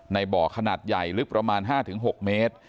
ในบ่อขนาดใหญ่ลึกประมาณ๕๖เมตร